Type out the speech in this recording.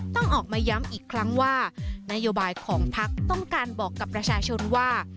ต้องออกมาย้ำอีกครั้งว่านโยบายของพักต้องการบอกกับประชาชนว่า